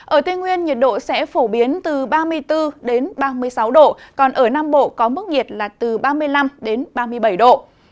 ở tây nguyên nhiệt độ sẽ phổ biến từ ba mươi bốn ba mươi sáu độ còn ở nam bộ có mức nhiệt là từ ba mươi năm đến ba mươi bảy độ